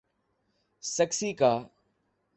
سکسیکا